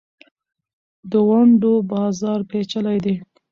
د ونډو بازار پېچلی دی.